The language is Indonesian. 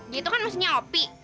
gitu kan maksudnya opi